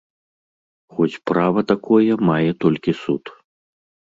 Хоць права такое мае толькі суд.